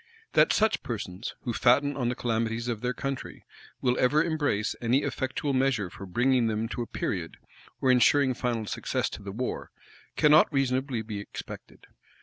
That such persons, who fatten on the calamities of their country, will ever embrace any effectual measure for bringing them to a period, or insuring final success to the war, cannot reasonably be expected.